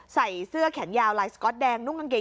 ใส่เสื้อแขนยาวลายสก๊อตแดง